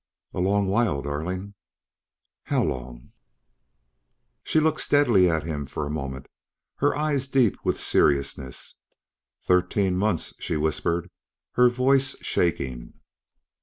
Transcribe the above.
"A long while, darling." "How long?" She looked steadily at him for a moment, her eyes deep with seriousness. "Thirteen months," she whispered, her voice shaking.